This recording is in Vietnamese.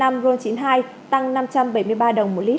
giá xăng e năm ron chín mươi hai tăng năm trăm bảy mươi ba đồng một lít